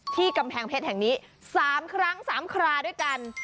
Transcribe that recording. กำแพงเพชรแห่งนี้๓ครั้ง๓คราด้วยกัน